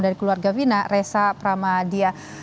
dari keluarga vina resa pramadia